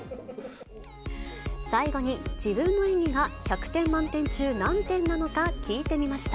最後に、自分の演技は１００点満点中、何点なのか、聞いてみました。